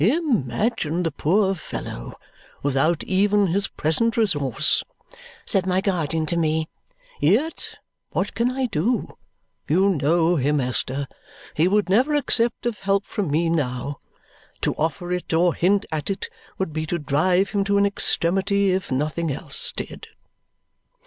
"Imagine the poor fellow without even his present resource," said my guardian to me. "Yet what can I do? You know him, Esther. He would never accept of help from me now. To offer it or hint at it would be to drive him to an extremity, if nothing else did."